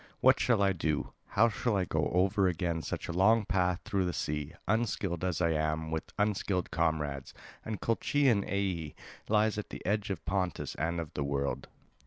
What shall I do, how shall I go over again such a long path through the sea, unskilled as I am, with unskilled comrades? And Colchian Aea lies at the edge of Pontus and of the world."